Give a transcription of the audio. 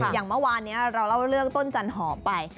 อย่างเมื่อวานนี้เราเล่าเรื่องต้นจันหอมไป